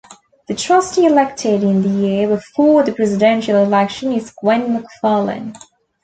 The trustee elected in the year before the Presidential election is Gwen McFarlin.